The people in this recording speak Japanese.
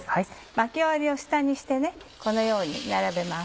巻き終わりを下にしてこのように並べます。